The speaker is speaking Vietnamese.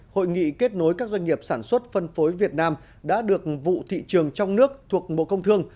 hội nghị kết nối các doanh nghiệp sản xuất phân phối việt nam đã được vụ thị trường trong nước thuộc bộ công thương